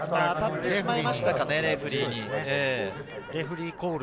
当たってしまいましたかね、レフェリーに。